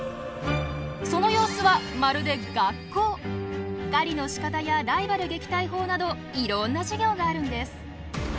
その様子は狩りのしかたやライバル撃退法などいろんな授業があるんです。